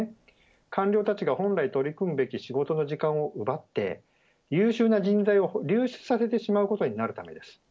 官僚たちが本来取り組むべき仕事の時間を奪って優秀な人材を流出させてしまうことになるからです。